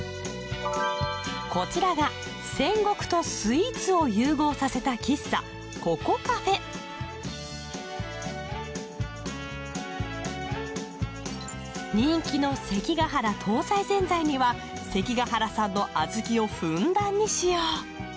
こちらが戦国とスイーツを融合させた喫茶人気の関ケ原東西ぜんざいには関ケ原産の小豆をふんだんに使用。